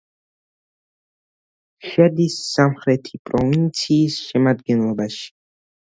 შედის სამხრეთი პროვინციის შემადგენლობაში.